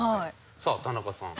さあ田中さん。